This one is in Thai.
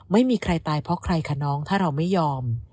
ไม่มีใครตายเพราะใครคะน้องถ้าเราไม่ยอม